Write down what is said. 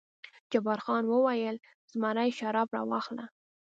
جبار خان وویل: زمري شراب راواخله.